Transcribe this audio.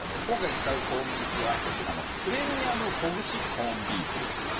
今回使うコンビーフはこちらのプレミアムほぐしコンビーフです。